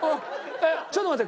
えっちょっと待って。